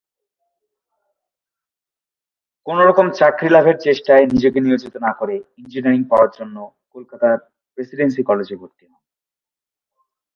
কোন রকম চাকরি লাভের চেষ্টায় নিজেকে নিয়োজিত না করে ইঞ্জিনিয়ারিং পড়ার জন্য কলকাতার প্রেসিডেন্সি কলেজে ভর্তি হন।